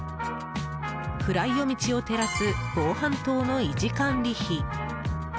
暗い夜道を照らす防犯灯の維持管理費。